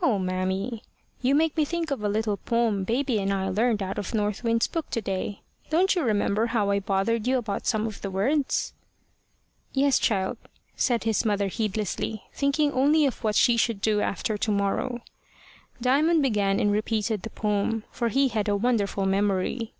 "O mammy, you make me think of a little poem baby and I learned out of North Wind's book to day. Don't you remember how I bothered you about some of the words?" "Yes, child," said his mother heedlessly, thinking only of what she should do after to morrow. Diamond began and repeated the poem, for he had a wonderful memory.